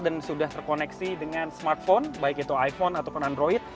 sudah terkoneksi dengan smartphone baik itu iphone ataupun android